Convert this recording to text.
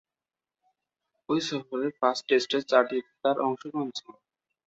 ঐ সফরে পাঁচ টেস্টের চারটিতে তার অংশগ্রহণ ছিল।